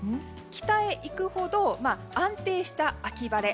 北へ行くほど安定した秋晴れ。